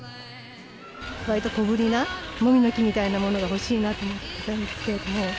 わりと小ぶりなもみの木みたいなものが欲しいなと思ったんですけれども。